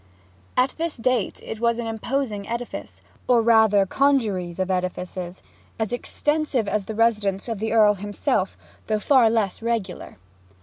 At this date it was an imposing edifice or, rather, congeries of edifices as extensive as the residence of the Earl himself; though far less regular.